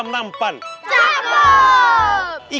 ya nggak perlu